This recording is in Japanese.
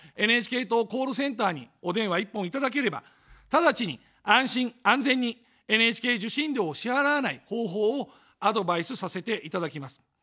ＮＨＫ党コールセンターにお電話一本いただければ、直ちに安心・安全にＮＨＫ受信料を支払わない方法をアドバイスさせていただきます。